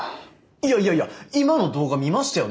いやいやいや今の動画見ましたよね？